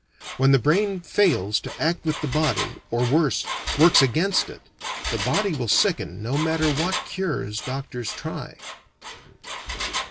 When the brain fails to act with the body, or, worse, works against it, the body will sicken no matter what cures doctors try.